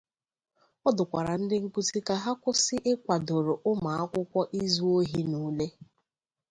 Ọ dụkwara ndị nkụzi ka ha kwụsị ịkwàdòrò ụmụakwụkwụ izu ohi n'ule.